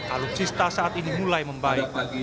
alutsista saat ini mulai membaik